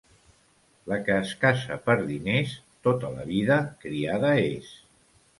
La que es casa per diners, tota la vida criada és.